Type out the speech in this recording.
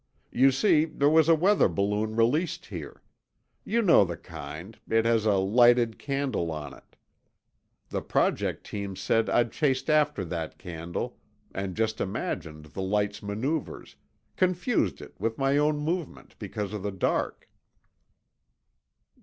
"You see, there was a weather balloon released here. You know the kind, it has a lighted candle on it. The Project teams said I'd chased after that candle and just imagined the light's maneuvers—confused it with my own movement, because of the dark."